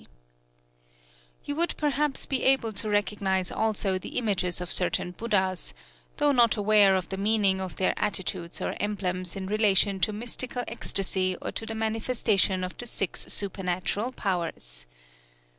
You would perhaps be able to recognize also the images of certain Buddhas, though not aware of the meaning of their attitudes or emblems in relation to mystical ecstasy or to the manifestation of the Six Supernatural Powers.